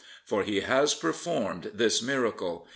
For he has performed this miracle.